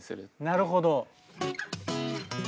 なるほど。